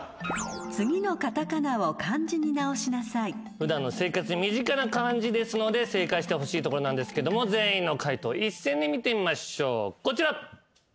普段の生活に身近な漢字ですので正解してほしいところなんですけども全員の解答一斉に見てみましょうこちら。